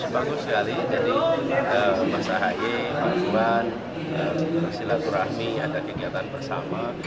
bagus sekali jadi mas a h e pak tuan prasila kurahmi ada kegiatan bersama